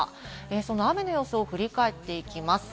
その雨の様子を振り返っていきます。